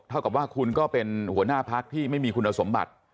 กับว่าคุณก็เป็นหัวหน้าพักที่ไม่มีคุณสมบัติ